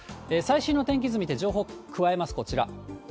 最新の天気図見て情報加えます、こちら。